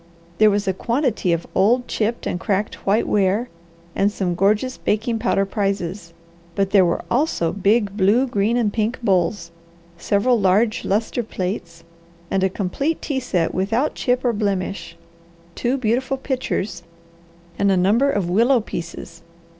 There was a quantity of old chipped and cracked white ware and some gorgeous baking powder prizes; but there were also big blue, green, and pink bowls, several large lustre plates, and a complete tea set without chip or blemish, two beautiful pitchers, and a number of willow pieces.